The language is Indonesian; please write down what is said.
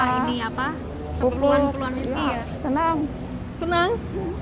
saya juga senang